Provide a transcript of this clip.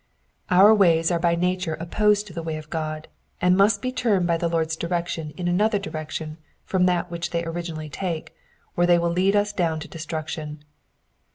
Our ways are by nature opposed to the way of God, and must be turned by the Lord's direction in another direction from that which they originally take or they will lead us down to destruction.